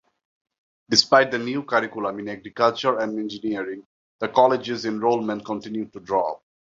Despite the new curriculum in agriculture and engineering, the college's enrollment continued to drop.